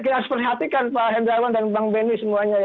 jadi harus perhatikan pak hendrawan dan bang benny semuanya ya